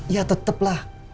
ya tetep lah